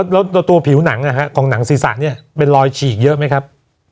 แล้วตัวผิวหนังของหนังศีรษะเนี่ยเป็นรอยฉีกเยอะไหมครับ